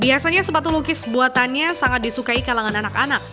biasanya sepatu lukis buatannya sangat disukai kalangan anak anak